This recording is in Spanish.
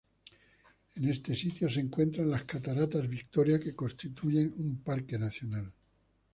En este sitio se encuentran las cataratas Victoria, que constituyen un parque nacional.